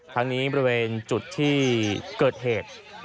ทั้งนี้บริเวณจุดที่เกิดเหตุ